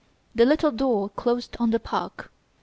The little door closed on the park.